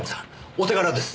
お手柄です。